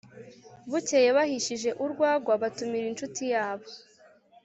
bukeye bahishije urwagwa batumira inshuti yabo